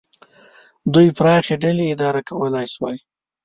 دوی پراخې ډلې اداره کولای شوای.